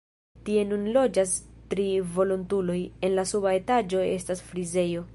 Tie nun loĝas tri volontuloj, en la suba etaĝo estas frizejo.